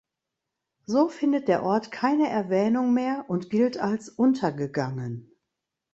So findet der Ort keine Erwähnung mehr und gilt als untergegangen.